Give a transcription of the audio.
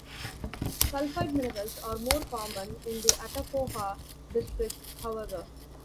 Sulfide minerals are more common in the Atacocha district however.